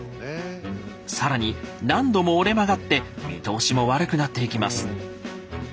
更に何度も折れ曲がって見通しも悪くなっていきます。